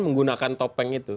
menggunakan topeng itu